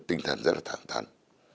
tinh thần rất là thẳng thắn